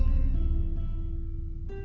sipa buang air ya